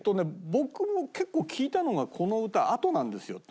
僕も結構聴いたのがこの歌あとなんですよ。